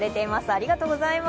ありがとうございます。